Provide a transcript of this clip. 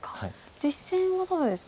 実戦はただですね